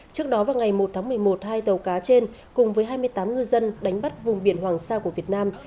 trước đó vào ngày một tháng một mươi một hai tàu cá trên cùng với hai mươi tám ngư dân đánh bắt vùng biển hoàng sa của việt nam